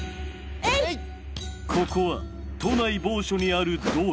ここは都内某所にある道場。